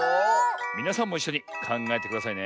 みなさんもいっしょにかんがえてくださいね。